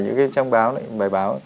những cái trang báo này bài báo